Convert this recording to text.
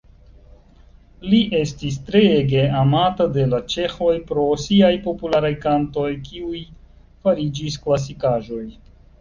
Li estis treege amata de la ĉeĥoj pro siaj popularaj kantoj, kiuj fariĝis klasikaĵoj.